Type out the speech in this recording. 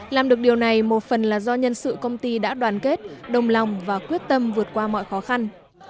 làm được điều này một phần là do nhân sự công ty đã đoàn kết đồng lòng và quyết tâm vượt qua mọi khó khăn